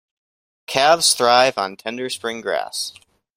Calves thrive on tender spring grass.